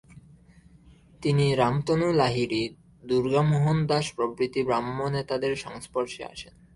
তিনি রামতনু লাহিড়ী, দুর্গামোহন দাস প্রভৃতি ব্রাহ্ম নেতাদের সংস্পর্শে আসেন।